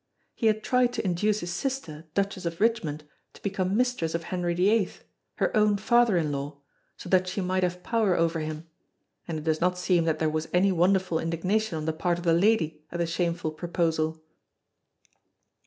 He had tried to induce his sister, Duchess of Richmond, to become mistress of Henry VIII her own father in law! so that she might have power over him; and it does not seem that there was any wonderful indignation on the part of the lady at the shameful proposal.